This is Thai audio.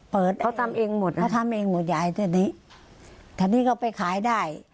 เปิดเขาทำเองหมดเขาทำเองหมดยายเท่านี้ทันที่เขาไปขายได้